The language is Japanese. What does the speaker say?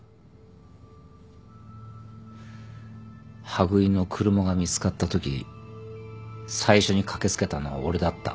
羽喰の車が見つかったとき最初に駆け付けたのは俺だった。